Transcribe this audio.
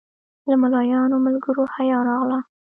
له ملایانو ملګرو حیا راغله.